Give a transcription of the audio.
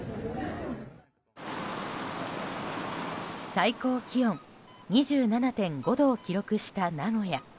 最高気温２７．５度を記録した名古屋。